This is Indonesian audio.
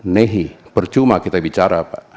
nehi percuma kita bicara pak